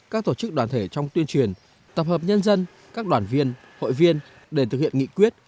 các tổ chức đoàn thể trong tuyên truyền tập hợp nhân dân các đoàn viên hội viên để thực hiện nghị quyết